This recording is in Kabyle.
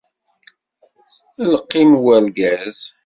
Iqqim wergaz.